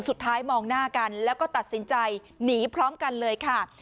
สุดท้ายมองหน้ากันแล้วก็ตัดสินใจหนีพร้อมกันเลยค่ะ